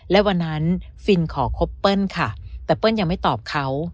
และวันนั้นฟินขอคบเปิ้ลค่ะแต่เปิ้ลยังไม่ตอบเขา